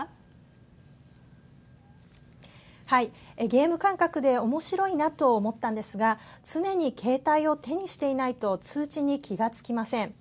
ゲーム感覚でおもしろいなと思ったんですが常に携帯を手にしていないと通知に気がつきません。